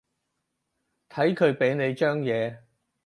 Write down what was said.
睇佢畀你張嘢